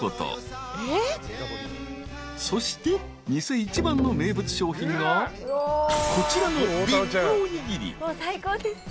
［そして店一番の名物商品がこちらの］